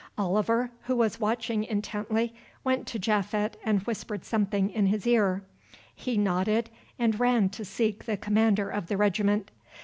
Oliver, who was watching intently, went to Japhet and whispered something in his ear. He nodded and ran to seek the commander of the regiment.